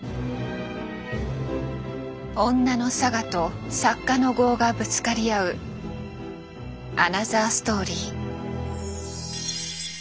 女の性と作家の業がぶつかり合うアナザーストーリー。